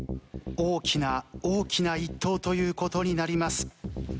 大きな大きな一投という事になります。